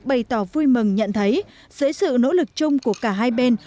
bày tỏ vui mừng nhận thấy dưới sự nỗ lực chung của cả hai bên